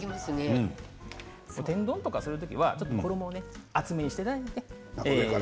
天丼とかする時は衣を厚めにしていただいてね。